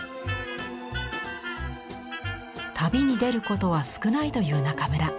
旅に出ることは少ないという中村。